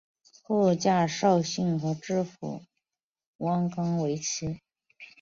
后嫁绍兴知府汪纲为妻。